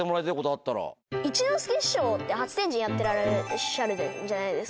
一之輔師匠って『初天神』やってらっしゃるじゃないですか。